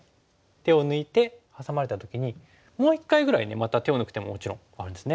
手を抜いてハサまれた時にもう一回ぐらいまた手を抜く手ももちろんあるんですね。